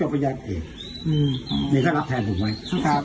ภาพนี้สุดเจกเลยนะ